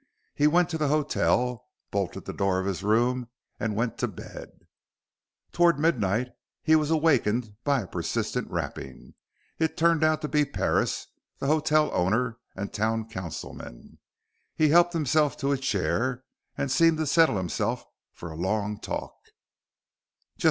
He went to the hotel, bolted the door of his room, and went to bed. Toward midnight, he was awakened by a persistent rapping. It turned out to be Parris, the hotel owner and town councilman. He helped himself to a chair and seemed to settle himself for a long talk.